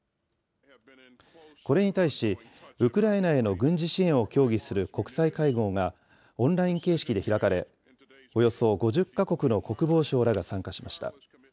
これに対し、ウクライナへの軍事支援を協議する国際会合がオンライン形式で開かれ、およそ５０か国の国防相らが参加しました。